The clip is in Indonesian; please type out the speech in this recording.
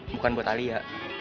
bukan buat alia